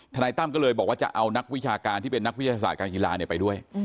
นายตั้มก็เลยบอกว่าจะเอานักวิชาการที่เป็นนักวิทยาศาสตร์การกีฬาไปด้วย